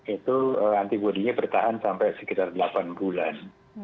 itu antibody nya bertahan sampai sekitar delapan bulan